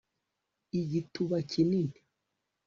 igituba kinini